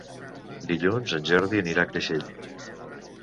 Dilluns en Jordi anirà a Creixell.